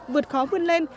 vượt khó khuyên lên